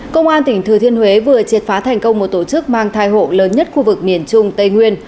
công an tỉnh thừa thiên huế vừa triệt phá thành công một tổ chức mang thai hộ lớn nhất khu vực miền trung tây nguyên